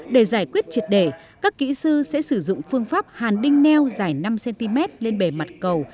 để giải quyết triệt đề các kỹ sư sẽ sử dụng phương pháp hàn đinh neo dài năm cm lên bề mặt cầu